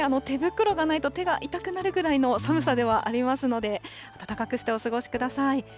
手袋がないと、手が痛くなるくらいの寒さではありますので、暖かくしてお過ごしください。